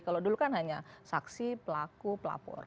kalau dulu kan hanya saksi pelaku pelapor